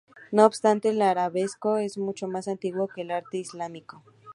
No obstante, el arabesco es mucho más antiguo que el arte islámico.